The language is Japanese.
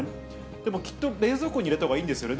でもきっと冷蔵庫に入れたほうがいいんですよね。